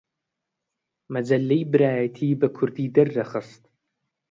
مەجەللەی برایەتی بە کوردی دەردەخست